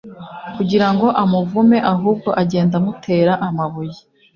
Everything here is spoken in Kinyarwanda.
kugira ngo amuvume ahubwo agenda amutera amabuye